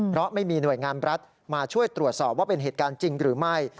เพราะไม่มีหน่วยงานรัฐมาช่วยตรวจสอบว่าเป็นเหตุการณ์จริงหรือไม่